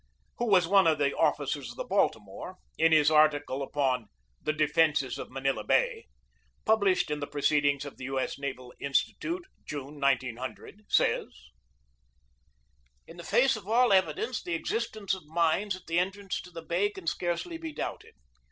who was one of the officers of the Baltimore, in his article upon "The Defences of Manila Bay," published in the Proceedings of the U. S. Naval Institute, June, 1900, says: "In the face of all evidence the existence of mines at the entrance to the bay can scarcely be doubted.